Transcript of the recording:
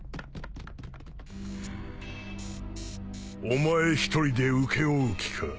お前一人で請け負う気か？